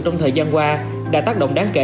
trong thời gian qua đã tác động đáng kể